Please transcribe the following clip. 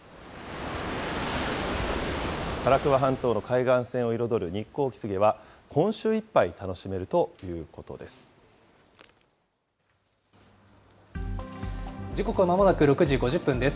唐桑半島の海岸線を彩るニッコウキスゲは、今週いっぱい、楽しめ時刻はまもなく６時５０分です。